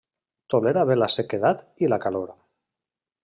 Tolera bé la sequedat i la calor.